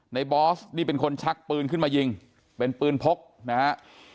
บอสนี่เป็นคนชักปืนขึ้นมายิงเป็นปืนพกนะฮะ